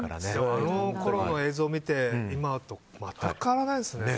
あのころの映像見て今と全く変わらないですね。